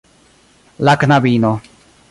La knabino.